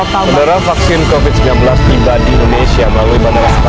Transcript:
seberapa vaksin covid sembilan belas tiba di indonesia melalui bandara setan